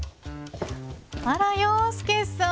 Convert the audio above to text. あら洋輔さん。